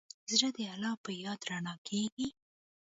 زړه د الله په یاد رڼا کېږي.